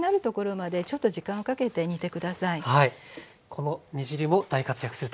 この煮汁も大活躍すると。